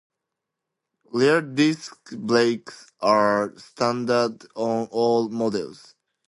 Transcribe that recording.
Rear disc brakes are standard on all models.